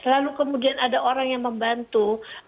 lalu kemudian ada orang yang membantu